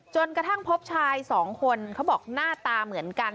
กระทั่งพบชายสองคนเขาบอกหน้าตาเหมือนกัน